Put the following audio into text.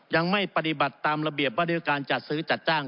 ยังไม่ปฏิบัติตามระเบียบว่าด้วยการจัดซื้อจัดจ้าง